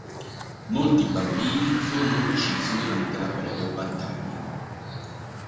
Molti bambini furono uccisi durante la breve battaglia.